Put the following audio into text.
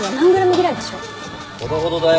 ほどほどだよ。